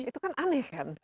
itu kan aneh kan